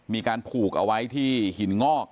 มีการผูกเอาไว้ที่หินงอก